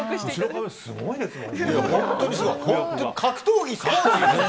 すごいですもんね。